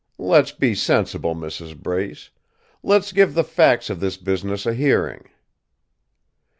Let's be sensible, Mrs. Brace. Let's give the facts of this business a hearing.